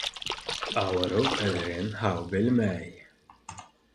Ауырыу ҡәҙерен һау белмәй